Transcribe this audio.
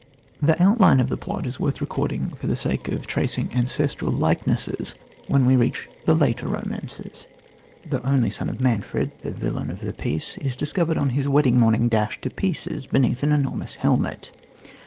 The outline of the plot is worth recording for the sake of tracing ancestral likenesses when we reach the later romances. The only son of Manfred the villain of the piece is discovered on his wedding morning dashed to pieces beneath an enormous helmet.